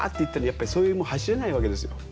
やっぱりそういうもう走れないわけですよ。